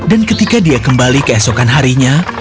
dan ketika dia kembali keesokan harinya